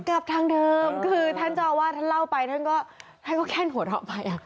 กลับทางเดิมคือท่านจอว่าท่านเล่าไปท่านก็แค่หัวเท้าไป